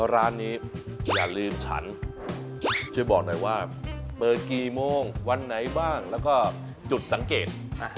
ร้านนี้อย่าลืมฉันช่วยบอกหน่อยว่าเปิดกี่โมงวันไหนบ้างแล้วก็จุดสังเกต